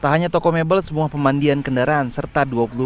tak hanya toko mebel sebuah pemandian kendaraan serta dua puluh